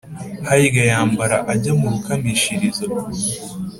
harya yambara ajya mu rukamishirizo